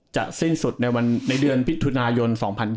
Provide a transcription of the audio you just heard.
จะสิ้นสุดในเดือนพิษทุนายน๒๐๒๔